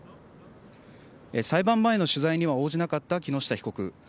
裁判前の取材には応じなかった木下被告。